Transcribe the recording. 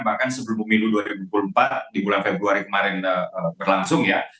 bahkan sebelum pemilu dua ribu dua puluh empat di bulan februari kemarin berlangsung ya